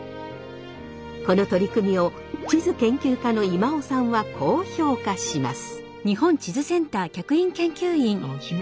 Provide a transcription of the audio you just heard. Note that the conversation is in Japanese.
この取り組みを地図研究家の今尾さんはこう評価します。